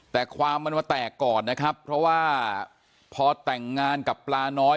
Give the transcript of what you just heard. แต่ความมันมาแตกก่อนนะครับเพราะว่าพอแต่งงานกับปลาน้อย